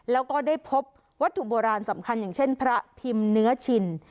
แล้วก็ได้พบวัตถุโบราณสำคัญอย่างเช่นพระพิมพ์เนื้อชิน